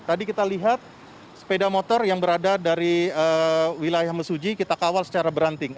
tadi kita lihat sepeda motor yang berada dari wilayah mesuji kita kawal secara beranting